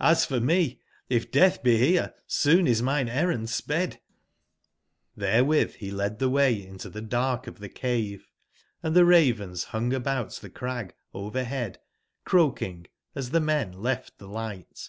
He f or me, if death be here, soon is mine errand sped " j^r^bcrcwith he led tbe way in to the dark of the cave, and theravens bungabout tbe crag over/bead croak ing, as the men left the light.